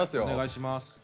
お願いします。